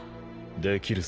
できるさ。